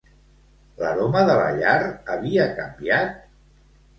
L'aroma de la llar havia canviat?